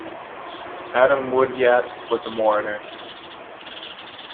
Adam Woodyatt was a mourner.